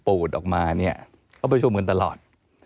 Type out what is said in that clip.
ออกมาเนี่ยเขาประชุมกันตลอด